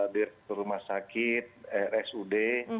direktur rumah sakit rsud